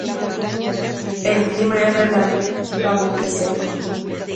El clima es relativamente seco.